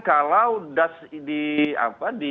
kalau das di